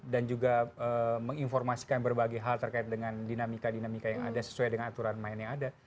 dan juga menginformasikan berbagai hal terkait dengan dinamika dinamika yang ada sesuai dengan aturan main yang ada